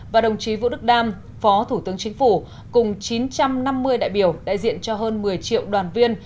và đồng chí vũ đức đam phó thủ tướng chính phủ cùng chín trăm năm mươi đại biểu đại diện cho hơn một mươi triệu đoàn viên